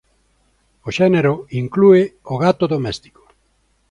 O xénero inclúe o gato doméstico.